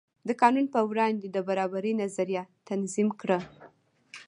د قانون په وړاندې د برابرۍ نظریه تنظیم کړه.